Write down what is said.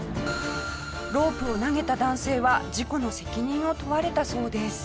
ロープを投げた男性は事故の責任を問われたそうです。